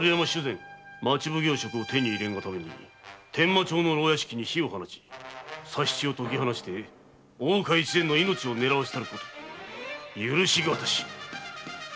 町奉行職を手に入れんがため伝馬町の牢屋敷に火を放ち佐七を解き放して大岡越前の命を狙わせしこと許し難し